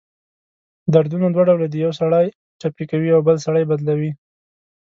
دردونه دوه ډؤله دی: یؤ سړی ټپي کوي اؤ بل سړی بدلؤي.